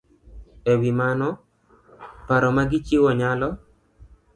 E wi mano, paro ma gichiwo nyalo